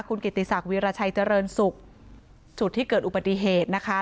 คุณกิติศักดิราชัยเจริญศุกร์จุดที่เกิดอุบัติเหตุนะคะ